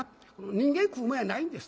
人間食うもんやないんです。